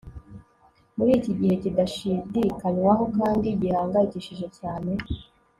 muri iki gihe kidashidikanywaho kandi gihangayikishije cyane